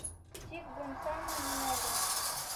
Тик бынсама нимәгә?